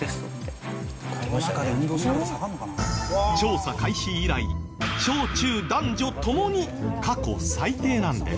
調査開始以来小中男女共に過去最低なんです。